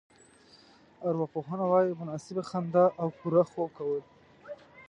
ارواپوهنه وايي مناسبه خندا او پوره خوب کول.